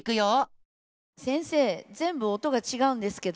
先生全部音が違うんですけど。